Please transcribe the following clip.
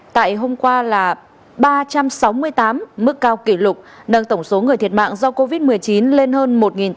tại hôm qua là ba trăm sáu mươi tám mức cao kỷ lục nâng tổng số người thiệt mạng do covid một mươi chín lên hơn một tám trăm